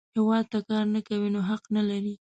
هیواد ته کار نه کوې، نو حق نه لرې